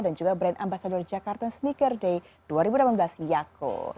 dan juga brand ambassador jakarta sneaker day dua ribu delapan belas yako